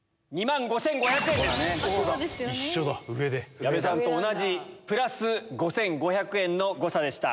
矢部さんと同じプラス５５００円の誤差でした。